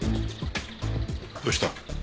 どうした？